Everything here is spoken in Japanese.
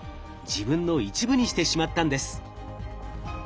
自分の一部にしてしまったんです。